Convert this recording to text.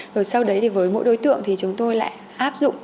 rồi sau đấy thì với mỗi đối tượng thì chúng tôi lại áp dụng